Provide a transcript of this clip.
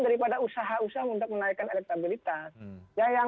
daripada usaha usaha untuk menaikkan elektabilitas